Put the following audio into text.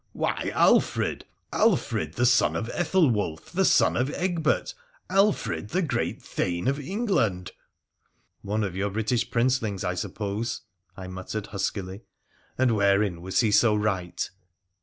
Why, Alfred. Alfred, the son of Ethelwulf, the son of Egbert — Alfred the great Thane of England !'' One of your British Princelings, I suppose,' I muttered huskily. ' And wherein was he so right